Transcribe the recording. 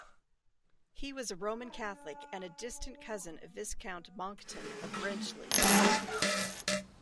He was a Roman Catholic, and a distant cousin of Viscount Monckton of Brenchley.